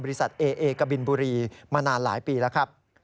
เอเอกบินบุรีมานานหลายปีแล้วครับ